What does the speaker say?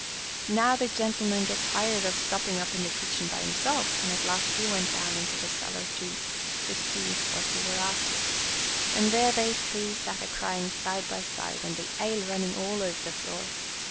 Now the gentleman got tired of stopping up in the kitchen by himself, and at last he went down into the cellar too, to see what they were after; and there they three sat a crying side by side, and the ale running all over the floor.